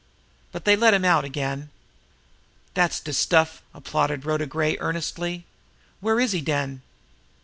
But they let him out again." "Dat's de stuff!" applauded Rhoda Gray earnestly. "Where is he, den?"